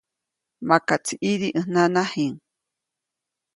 Makaʼtsi ʼidi ʼäj nanajiʼŋ.